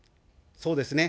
そうですね。